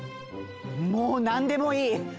もうなんでもいい！